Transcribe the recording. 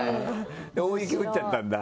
で大雪降っちゃったんだ。